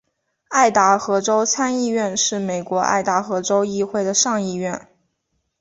爱达荷州参议院是美国爱达荷州议会的上议院。